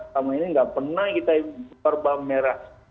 selama ini nggak pernah kita impor bawang merah